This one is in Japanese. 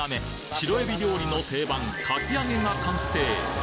白えび料理の定番かき揚げが完成！